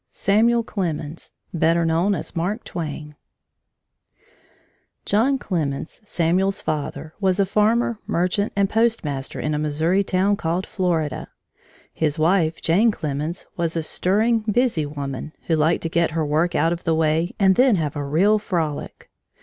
SAMUEL CLEMENS Better Known as MARK TWAIN John Clemens, Samuel's father, was a farmer, merchant, and postmaster in a Missouri town, called Florida. His wife, Jane Clemens, was a stirring, busy woman, who liked to get her work out of the way and then have a real frolic.